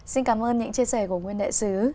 xin cảm ơn những chia sẻ của nguyên đại sứ